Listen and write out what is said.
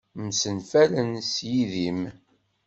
Msenfalen s yidim.